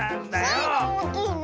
スイがおおきいの！